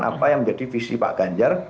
apa yang menjadi visi pak ganjar